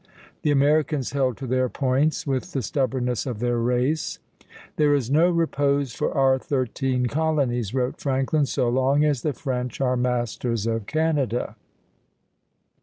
The Americans held to their points with the stubbornness of their race. "There is no repose for our thirteen colonies," wrote Franklin, "so long as the French are masters of Canada."